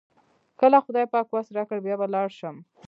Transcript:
کله خدای پاک وس راکړ بیا به لاړ شم.